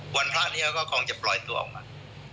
วันพระเนี่ยเขาก็คงจะปล่อยตัวออกมา